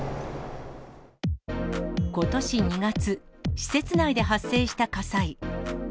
ことし２月、施設内で発生した火災。